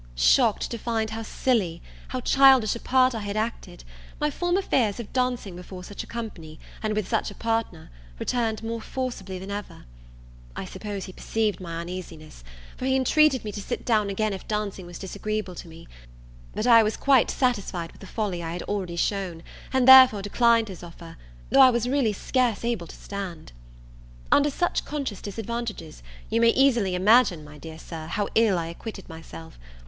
Shocked to find how silly, how childish a part I had acted, my former fears of dancing before such a company, and with such a partner, returned more forcibly than ever. I suppose he perceived my uneasiness; for he entreated me to sit down again if dancing was disagreeable to me. But I was quite satisfied with the folly I had already shewn; and therefore declined his offer, though I was really scarce able to stand. Under such conscious disadvantages, you may easily imagine my dear Sir, how ill I acquitted myself.